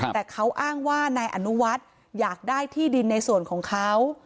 แต่เขาอ้างว่านายอนุวัฒน์อยากได้ที่ดินในส่วนของเขา